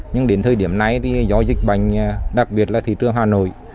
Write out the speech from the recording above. nhưng đến thời điểm này thì do dịch bệnh đặc biệt là thị trường hà nội